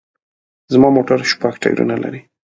زما موټر شپږ ټیرونه لري